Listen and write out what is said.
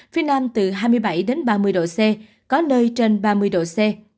phía nam từ hai mươi bảy đến ba mươi độ c có nơi trên ba mươi độ c